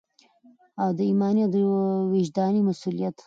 او دا ایماني او وجداني مسؤلیت